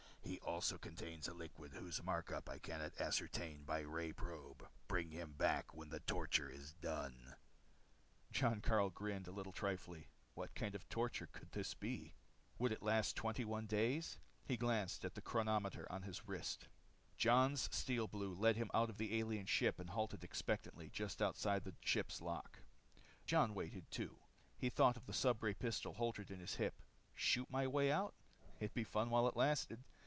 He also contains a liquid whose makeup I cannot ascertain by ray probe. Bring him back when the torture is done." Jon Karyl grinned a trifle wryly. What kind of torture could this be? Would it last 21 days? He glanced at the chronometer on his wrist. Jon's Steel Blue led him out of the alien ship and halted expectantly just outside the ship's lock. Jon Karyl waited, too. He thought of the stubray pistol holstered at his hip. Shoot my way out? It'd be fun while it lasted.